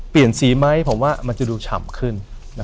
เปลี่ยนสีไหมผมว่ามันจะดูฉ่ำขึ้น